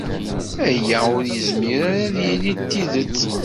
Aya ur yezmir ara ad yili d tidet.